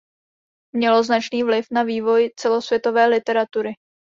Mělo značný vliv na vývoj celosvětové literatury.